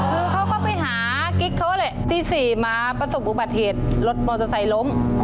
คือเขาก็ไปหากิ๊กเขาแหละตี๔มาประสบอุบัติเหตุรถมอเตอร์ไซค์ล้ม